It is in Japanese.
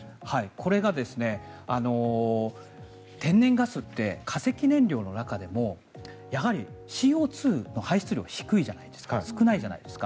これが天然ガスって化石燃料の中でもやはりＣＯ２の排出量が少ないじゃないですか。